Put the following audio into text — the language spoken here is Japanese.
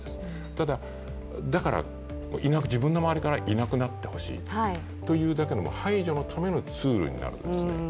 ただ、だから、自分の周りからいなくなってほしいという排除のためのツールになるんですね。